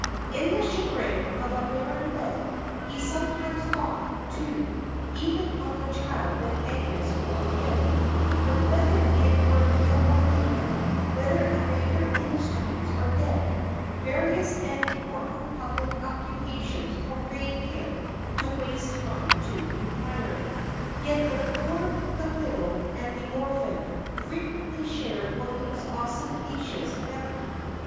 In the chagrin of a barren bed, he sometimes thought, too, even on the child that Agnes bore him; but whether it were male or female, whether a beggar in the streets, or dead various and important public occupations forbade him to waste time to inquire. Yet the poor, the widow, and the orphan, frequently shared William's ostentatious bounty.